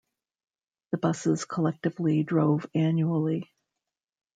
The buses collectively drove annually.